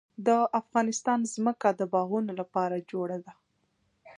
د افغانستان ځمکه د باغونو لپاره جوړه ده.